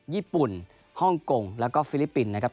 ญี่ปุ่นฮ่องกงแล้วก็ฟิลิปปินส์นะครับ